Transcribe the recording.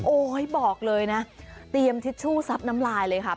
โอ้ค่อยบอกเลยแน๊เตรียมที่ชู่ซับน้ำลายเลยครับ